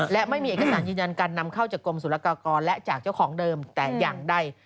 และไม่มีเอกสารยืนยันการนำเข้าจากกรมศุลกากรและจากเจ้าของเดิมแต่อย่างใด